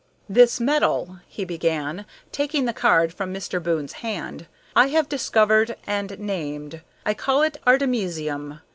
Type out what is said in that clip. "This metal," he began, taking the card from Mr. Boon's hand, "I have discovered and named. I call it 'artemisium.'